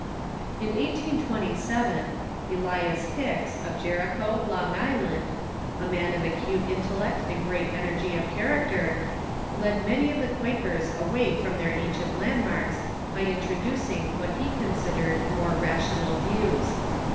In 1827, Elias Hicks, of Jericho, Long Island, a man of acute intellect and great energy of character, led many of the Quak ers away from their ancient landmarks by introducing Secession ^^'^^^.t he considered more rational views.